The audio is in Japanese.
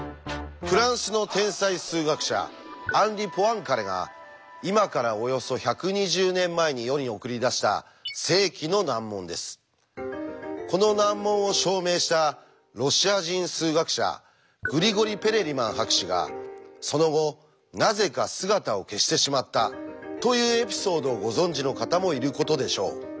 フランスの天才数学者アンリ・ポアンカレが今からおよそ１２０年前に世に送り出したこの難問を証明したロシア人数学者グリゴリ・ペレリマン博士がその後なぜか姿を消してしまったというエピソードをご存じの方もいることでしょう。